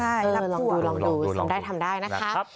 ใช่ลองดูทำได้นะครับ